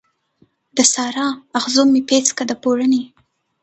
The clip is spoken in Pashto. د سارا، اغزو مې پیڅکه د پوړنې